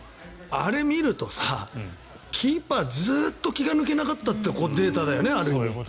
あれを見るとキーパーずっと気が抜けなかったというデータだよね。